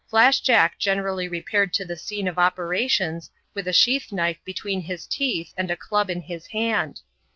Flash Jack gene rally repaired to the scene of operations, with a sheath knife between his teeth, and a club in his hand.